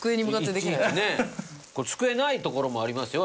机ないところもありますよ。